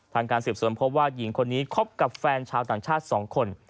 การสืบสวนพบว่าหญิงคนนี้คบกับแฟนชาวต่างชาติ๒คน